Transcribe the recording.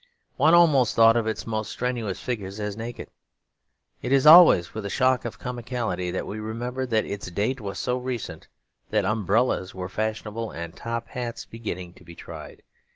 One almost thought of its most strenuous figures as naked. It is always with a shock of comicality that we remember that its date was so recent that umbrellas were fashionable and top hats beginning to be tried.